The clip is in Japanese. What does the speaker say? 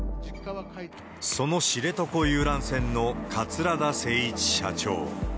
その知床遊覧船の桂田精一社長。